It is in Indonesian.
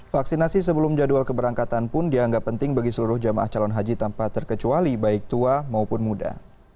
vaksinasi sebelum jadwal keberangkatan pun dianggap penting bagi seluruh jamaah calon haji tanpa terkecuali baik tua maupun muda